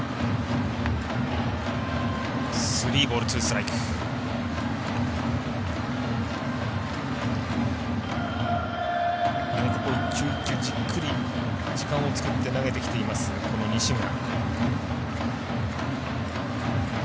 なにか１球１球じっくり時間を作って投げてきています、西村。